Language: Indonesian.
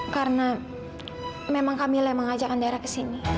karena memang kamila yang mengajak andara ke sini